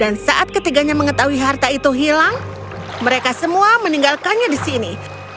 dan saat ketiganya mengetahui harta itu hilang mereka semua meninggalkannya di sini